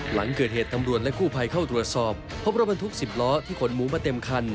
หลังเกิดเหตุตำรวจและกู้ภัยเข้าตรวจสอบพบรถบรรทุก๑๐ล้อที่ขนหมูมาเต็มคัน